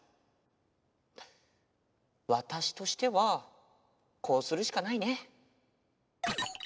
わたしとしてはこうするしかないね。